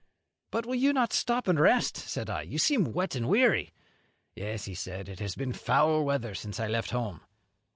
'But will you not stop and rest?' said I; 'you seem wet and weary.' 'Yes,' said he, 'it has been foul weather since I left home.'